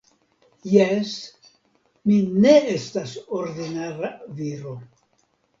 Jes, mi ne estas ordinara viro.